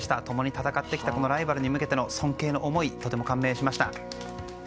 共に戦ってきたライバルに向けての尊敬の思い、とても感銘しました。